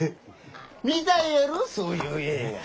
見たいやろそういう映画。